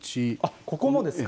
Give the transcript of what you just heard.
ここもですか？